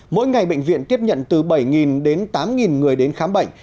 mỗi ngày bệnh viện tiếp nhận từ bảy đến tám người đến khám bệnh